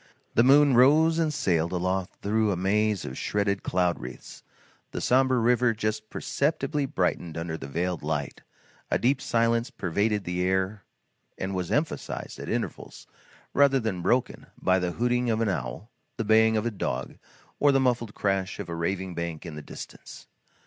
The moon rose and sailed aloft through a maze of shredded cloud wreaths; the sombre river just perceptibly brightened under the veiled light; a deep silence pervaded the air and was emphasized, at intervals, rather than broken, by the hooting of an owl, the baying of a dog, or the muffled crash of a carving bank in the distance.